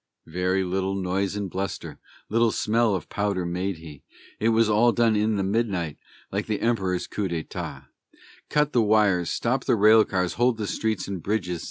Very little noise and bluster, little smell of powder made he; It was all done in the midnight, like the Emperor's coup d'état. "Cut the wires! Stop the rail cars! Hold the streets and bridges!"